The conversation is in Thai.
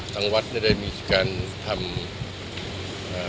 ทางวัดได้มีการทำ